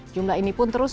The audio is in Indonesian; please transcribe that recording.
jumlah ini pun terus